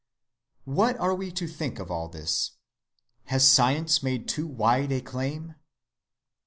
What are we to think of all this? Has science made too wide a claim?